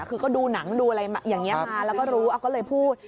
คือก็ดูหนังดูอะไรอย่างนี้มาแล้วก็รู้ก็เลยพูด